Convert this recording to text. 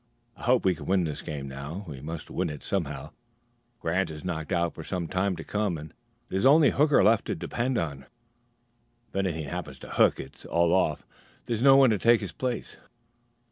I hope we can win this game now; we must win it somehow. Grant is knocked out for some time to come, and there's only Hooker left to depend on. If anything happens to Hook, it's all off; there's no one to take his place."